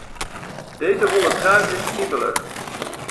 Deze wollen trui is kriebelig.